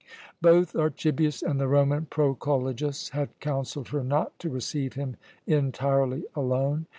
Both Archibius and the Roman Proculejus had counselled her not to receive him entirely alone.